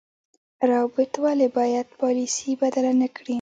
روابط ولې باید پالیسي بدله نکړي؟